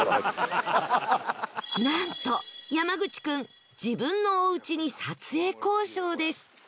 なんと山口君自分のおうちに撮影交渉です